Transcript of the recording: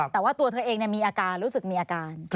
แต่ว่าตัวเธอเองมีอาการรู้สึกมีอาการ